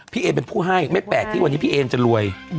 เอนเป็นผู้ให้ไม่แปลกที่วันนี้พี่เอ็นจะรวย